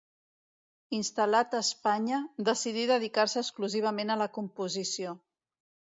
Instal·lat a Espanya, decidí dedicar-se exclusivament a la composició.